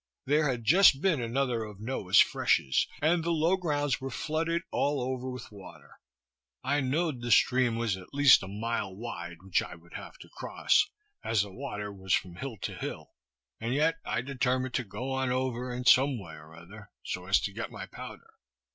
There had just been another of Noah's freshes, and the low grounds were flooded all over with water. I know'd the stream was at least a mile wide which I would have to cross, as the water was from hill to hill, and yet I determined to go on over in some way or other, so as to get my powder.